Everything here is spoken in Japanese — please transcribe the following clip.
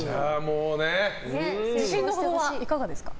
自信のほどはいかがですか。